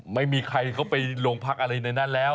ไม่มีใครเขาไปโรงพักอะไรในนั้นแล้ว